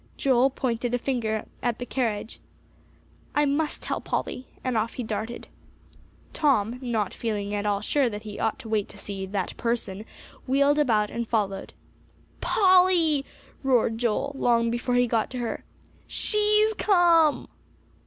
Joel pointed a finger at the carriage. "I must tell Polly," and off he darted. Tom, not feeling at all sure that he ought to wait to see "that person," wheeled about and followed. "Polly," roared Joel, long before he got to her. "She's come!"